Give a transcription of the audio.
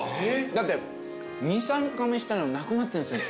だって２３かみしたらなくなってんすよ